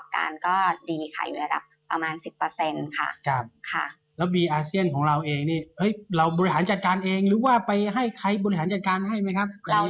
ใครบริหารจัดการให้ไหมครับ